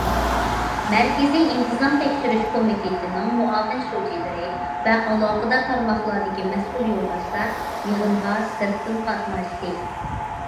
مەركىزىي ئىنتىزام تەكشۈرۈش كومىتېتىنىڭ مۇئاۋىن شۇجىلىرى ۋە ئالاقىدار تارماقلاردىكى مەسئۇل يولداشلار يىغىنغا سىرتتىن قاتناشتى.